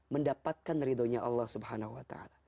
mendapatkan ridhonya allah swt